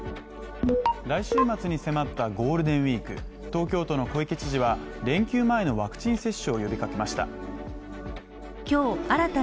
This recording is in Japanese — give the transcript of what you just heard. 来週末に迫ったゴールデンウイーク東京都の小池知事は連休前のワクチン接種を呼びかけました。